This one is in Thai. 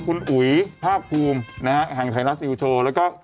คุณอุ๋ยภาคกลุมนะครับหังไทยรัฐ๘๘แล้วก็